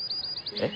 えっ！